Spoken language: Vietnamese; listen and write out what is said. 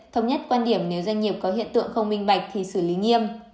thống nhất quan điểm nếu doanh nghiệp có hiện tượng không minh bạch thì xử lý nghiêm